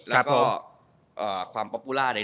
และความป๊อปพูล่าใด